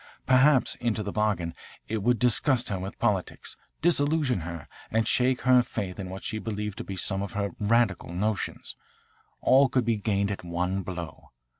Perhaps into the bargain it would disgust her with politics, disillusion her, and shake her faith in what he believed to be some of her 'radical' notions. All could be gained at one blow.